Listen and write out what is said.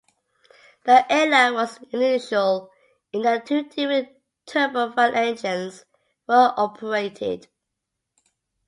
The airline was unusual in that two different turbofan engines were operated.